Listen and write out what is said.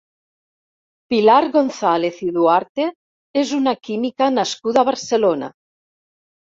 Pilar González i Duarte és una química nascuda a Barcelona.